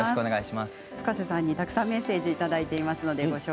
Ｆｕｋａｓｅさんにたくさんメッセージをいただいています。